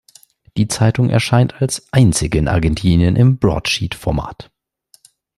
Die Zeitung erscheint als Einzige in Argentinien im Broadsheet-Format.